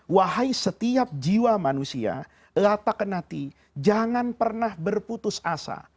wahai setiap jiwa manusia lataknati jangan pernah berputus asa